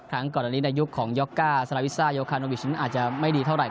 ก่อนอันนี้ในยุคของยอกก้าสลาวิซ่าโยคาโนวิชนั้นอาจจะไม่ดีเท่าไห